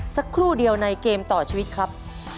สักครู่เดียวในเกมต่อชีวิตครับ